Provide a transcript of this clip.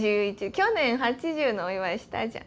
去年８０のお祝いしたじゃん。